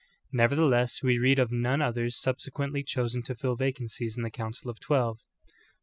Nevertheless, w^e read of none others subsequently chosen to fill vacancies in the council of twelve.